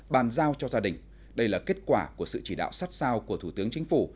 bàn giao cho gia đình đây là kết quả của sự chỉ đạo sắt sao của thủ tướng chính phủ